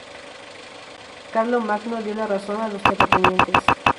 Carlomagno dio la razón a los terratenientes.